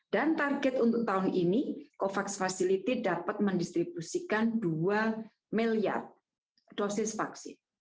dan target untuk tahun ini covax facility dapat mendistribusikan dua miliar dosis vaksin